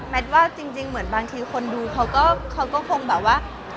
ว่าจริงเหมือนบางทีคนดูเขาก็คงแบบว่า